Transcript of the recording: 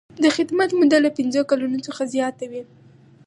د خدمت موده له پنځه کلونو څخه زیاته وي.